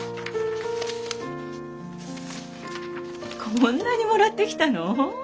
こんなにもらってきたの？